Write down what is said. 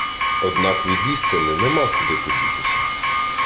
Однак від істини нема куди подітися